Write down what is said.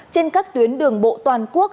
trên các tuyến đường bộ toàn quốc